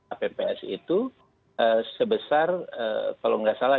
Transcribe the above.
apps itu sebesar kalau nggak salah